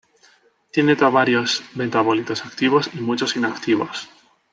Tiene varios metabolitos activos y muchos inactivos.